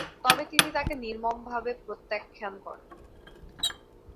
তবে তিনি তাকে নির্মমভাবে প্রত্যাখ্যান করেন।